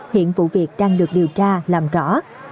hiện vụ việc đang được điều tra làm rõ